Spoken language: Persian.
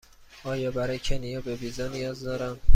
آیا برای کنیا به ویزا نیاز دارم؟